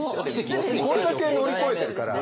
これだけ乗り越えてるから。